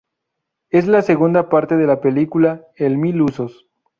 Es la segunda parte de la película "El mil usos".